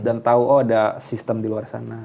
tahu oh ada sistem di luar sana